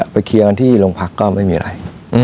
ไปเคลียร์กันที่โรงพักรรมก็ไม่มีไร